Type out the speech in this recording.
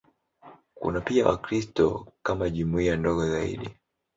Kuna pia Wakristo kama jumuiya ndogo zaidi.